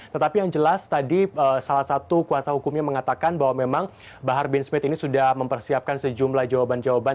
tetapi yang jelas tadi salah satu kuasa hukumnya mengatakan bahwa memang bahar bin smith ini sudah mempersiapkan sejumlah jawaban jawaban